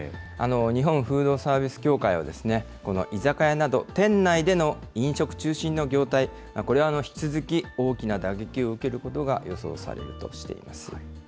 日本フードサービス協会は、この居酒屋など、店内での飲食中心の業態、これは引き続き大きな打撃を受けることが予想されるとしています。